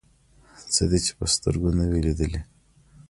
څه دې چې په سترګو نه وي لیدلي.